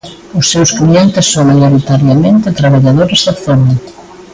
Os seus clientes son maioritariamente traballadores da zona.